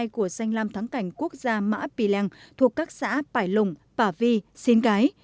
của sanh lam thắng cảnh quốc gia mã pì lèng thuộc các xã bảy lùng bả vi xín cái